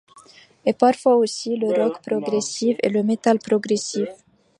Et parfois aussi, le rock progressif et le metal progressif.